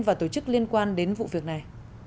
và tổ chức liên quan đến vụ việc này